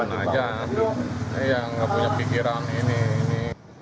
enggak punya pikiran ini